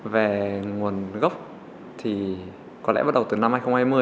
về nguồn gốc thì có lẽ bắt đầu từ năm hai nghìn hai mươi